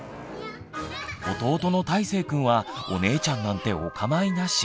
弟のたいせいくんはお姉ちゃんなんておかまいなし。